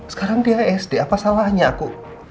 sekarang dia sd apa salahnya aku